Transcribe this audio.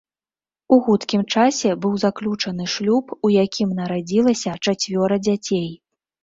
У хуткім часе быў заключаны шлюб, у якім нарадзілася чацвёра дзяцей.